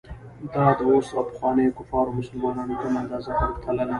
دا د اوس او پخوانیو کفارو او مسلمانانو کمه اندازه پرتلنه وه.